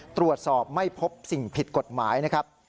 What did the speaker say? ตรวจสอบไม่พบสิ่งผิดกฎหมายนะครับ